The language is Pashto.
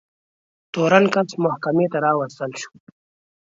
تورن کس محکمې ته راوستل شو.